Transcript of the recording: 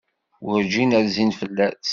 Werǧin rzin fell-as.